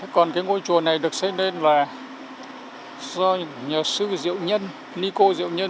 còn cái ngôi chùa này được xây nên là do nhà sư diệu nhân ni cô diệu nhân